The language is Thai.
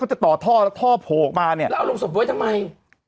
จะต่อท่อแล้วท่อโผล่ออกมาเนี่ยแล้วเอาลงศพไว้ทำไม